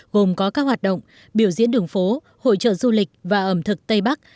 gồm có các hoạt động biểu diễn đường phố hội trợ du lịch và ẩm thực tây bắc